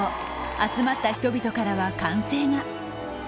集まった人々からは歓声が。